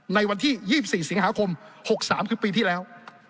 ในวันที่๒๔สิงหาคม๖๓คือปีที่แล้ว